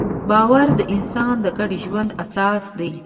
باور د انسان د ګډ ژوند اساس دی.